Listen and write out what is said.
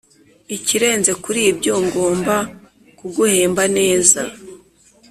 Ikirenze kuribyo ngomba kuguhemba neza